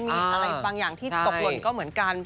มีอะไรบางอย่างที่ตกหล่นก็เหมือนกัน